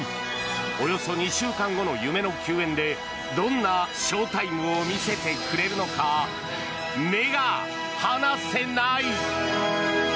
およそ２週間後の夢の球宴でどんなショータイムを見せてくれるのか目が離せない。